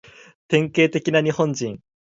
典型的な日本人